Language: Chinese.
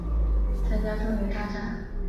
参加中原大战。